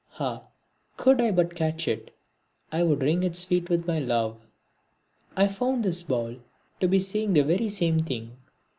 Ah, could I but catch it, I'd ring its feet with my love! I found this Baul to be saying the very same thing.